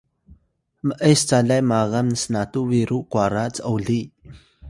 m’es calay magan snatu biru kwara c’oli